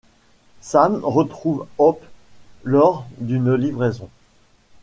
Sam retrouve Hope lors d'une livraison.